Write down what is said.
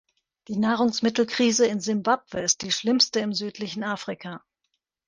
Die Nahrungsmittelkrise in Simbabwe ist die schlimmste im südlichen Afrika.